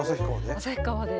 旭川で。